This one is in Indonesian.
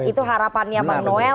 itu harapannya bang noel